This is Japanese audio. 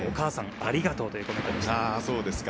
お母さんありがとうということでした。